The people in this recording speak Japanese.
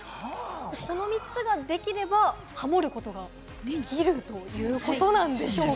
この３つができれば、ハモることができるということなんでしょうか？